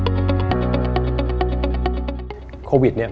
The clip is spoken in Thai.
บินเตอร์อลุมนิวสินค้า